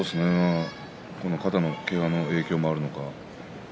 この肩のけがの影響もあるのか